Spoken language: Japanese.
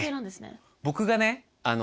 僕がね